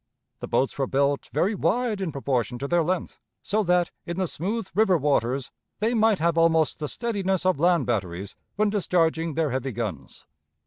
The boats were built very wide in proportion to their length, so that in the smooth river waters they might have almost the steadiness of land batteries when discharging their heavy guns.